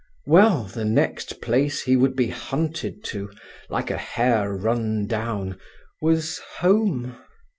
_" Well, the next place he would be hunted to, like a hare run down, was home.